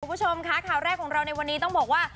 คุณผู้ชมค่ะข่าวแรกของเราในวันนี้ต้องบอกว่า